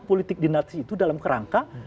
politik dinasti itu dalam kerangka